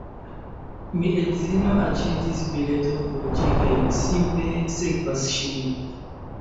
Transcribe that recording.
Mi edzino aĉetis bileton por ĝi kaj mi simple sekvas ŝin